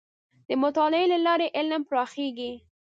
د مطالعې له لارې علم پراخېږي.